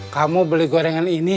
kamu beli gorengan ini